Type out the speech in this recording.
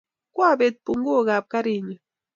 Kwapet punguok ap karit nyu